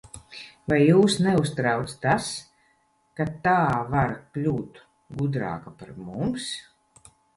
Vai jūs neuztrauc tas, ka tā var kļūt gudrāka par mums?